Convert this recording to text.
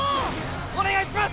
お願いします